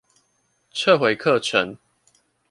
撤回課程